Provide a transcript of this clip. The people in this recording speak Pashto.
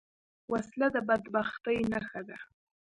وسله د بدبختۍ نښه ده